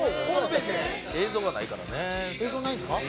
映像ないんですか？